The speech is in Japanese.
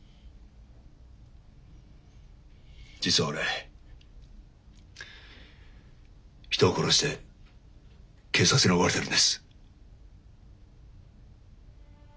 実は俺人を殺して警察に追われてるんです。